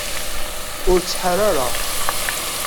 Ur ttḥar ara